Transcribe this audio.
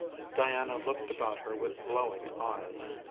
Diana looked about her with glowing eyes.